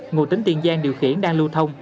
ngụ tính tiền giang điều khiển đang lưu thông